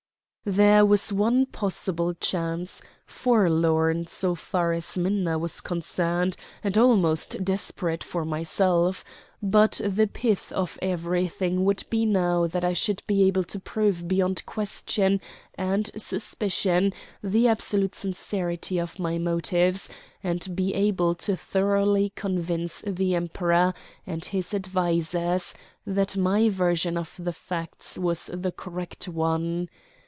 There was one possible chance forlorn so far as Minna was concerned, and almost desperate for myself. But the pith of everything would be now that I should be able to prove beyond question and suspicion the absolute sincerity of my motives, and be able to thoroughly convince the Emperor and his advisers that my version of the facts was the correct one.